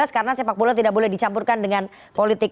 karena sepak bola tidak boleh dicampurkan dengan politik